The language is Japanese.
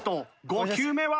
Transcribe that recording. ５球目は。